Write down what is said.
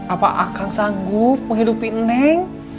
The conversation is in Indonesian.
apa kang sanggup menghidupin neng